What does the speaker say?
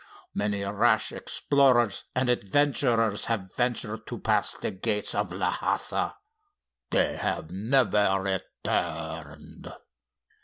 Many rash explorers and adventurers have ventured to pass the gates of Lhassa. They have never returned."